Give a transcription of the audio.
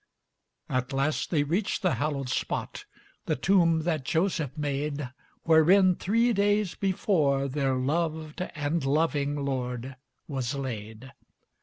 At last they reach the hallowed spot, The tomb that Joseph made, Wherein, three days before, their loved And loving Lord was laid.